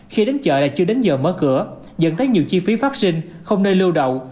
khi đến chợ là chưa đến giờ mở cửa dẫn tới nhiều chi phí vaccine không nơi lưu đậu